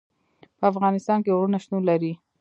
په افغانستان کې غرونه شتون لري.